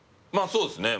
そうっすね。